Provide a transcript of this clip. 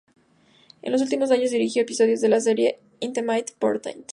En los últimos años, dirigió episodios de la serie "Intimate Portrait".